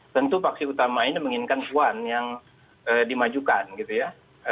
tentu paksi utama ini menginginkan puan yang dimajukan gitu ya